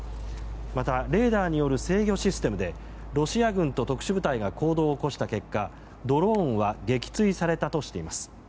またレーダーによる制御システムでロシア軍と特殊部隊が行動を起こした結果ドローンは撃墜されたとしています。